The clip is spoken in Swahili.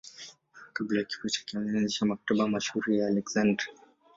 Kabla ya kifo chake alianzisha Maktaba mashuhuri ya Aleksandria.